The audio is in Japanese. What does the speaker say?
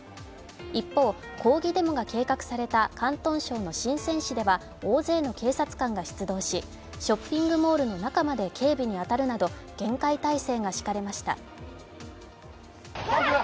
一方、抗議デモが計画された広東省の深セン市では大勢の警察官が出動し、ショッピングモールの中まで警備に当たるなど厳戒態勢が敷かれました。